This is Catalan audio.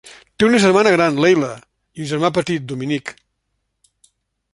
Té una germana gran, Leila, i un germà petit, Dominic.